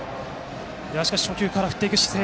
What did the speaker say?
しかし初球から振っていく姿勢。